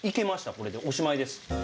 これでおしまいです。